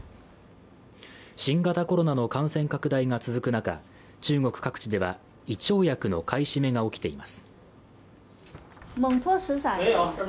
新型コロナの感染拡大が続く中、中国では胃腸薬の買い占めが起きています。